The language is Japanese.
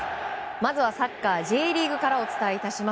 まずはサッカー、Ｊリーグからお伝えいたします。